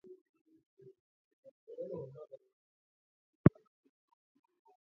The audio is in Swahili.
ofisini huko alikuwa na miadi ya kukutana na Bi Anita saa nane na robo